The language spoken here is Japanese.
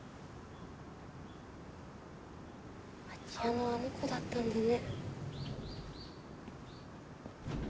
空き家のあの子だったんだね。